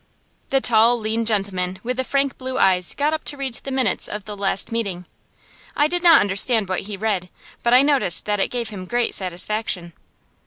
The tall, lean gentleman with the frank blue eyes got up to read the minutes of the last meeting. I did not understand what he read, but I noticed that it gave him great satisfaction.